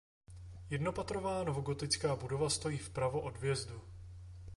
Jednopatrová novogotická budova stojí vpravo od vjezdu.